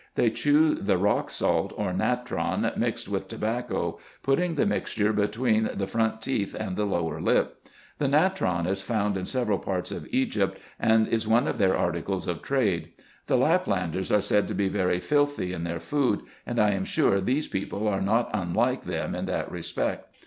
They chew the rock salt, or natron, mixed IN EGYPT, NUBIA, &c. 79 with tobacco, putting the mixture between the front teeth and the lower lip. The natron is found in several parts of Egypt, and is one of their articles of trade. The Laplanders are said to be very filthy in their food, and I am sure these people are not unlike them in that respect.